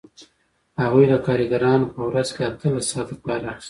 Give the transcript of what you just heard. هغوی له کارګرانو په ورځ کې اتلس ساعته کار اخیست